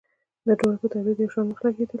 د دواړو په تولید یو شان وخت لګیدلی.